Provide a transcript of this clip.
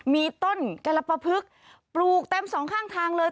มีต้นกรปภึกปลูกเต็มสองข้างทางเลย